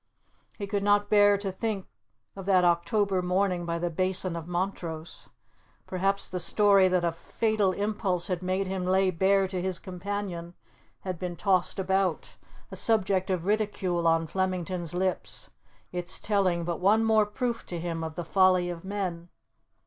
He could not bear to think of that October morning by the Basin of Montrose. Perhaps the story that a fatal impulse had made him lay bare to his companion had been tossed about a subject of ridicule on Flemington's lips, its telling but one more proof to him of the folly of men.